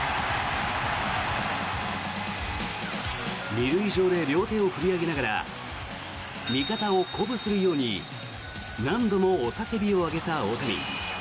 ２塁上で両手を振り上げながら味方を鼓舞するように何度も雄たけびを上げた大谷。